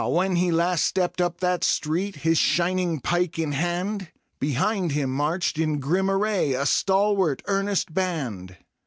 when he last stepped up that streeti His shining pike in hand| Behind him marched in grim array A stalwart earnest band